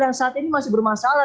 yang saat ini masih bermasalah